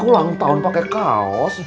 lama tahun pakai kaos